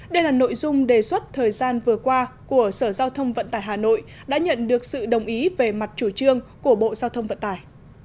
đây là nội dung đề xuất thời gian vừa qua của sở giao thông vận tải hà nội đã nhận được sự đồng ý về mặt chủ trương của bộ giao thông vận tải